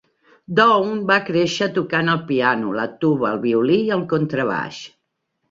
Down va créixer tocant el piano, la tuba, el violí i el contrabaix.